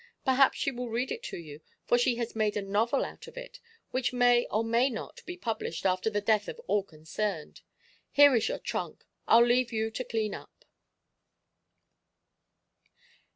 Perhaps she will read it to you, for she has made a novel out of it, which may or may not be published after the death of all concerned. Here is your trunk. I'll leave you to clean up."